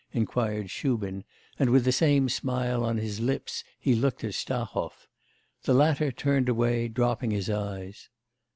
inquired Shubin, and with the same smile on his lips he looked at Stahov. The latter turned away, dropping his eyes.